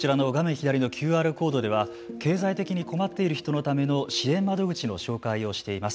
左のＱＲコードでは経済的に困っている人のための支援窓口の紹介をしています。